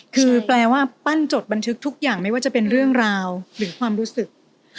คือแปลว่าปั้นจดบันทึกทุกอย่างไม่ว่าจะเป็นเรื่องราวหรือความรู้สึก